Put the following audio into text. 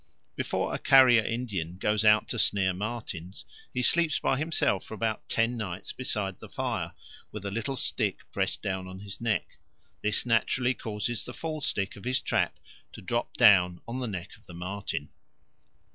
Before a Carrier Indian goes out to snare martens, he sleeps by himself for about ten nights beside the fire with a little stick pressed down on his neck. This naturally causes the fall stick of his trap to drop down on the neck of the marten.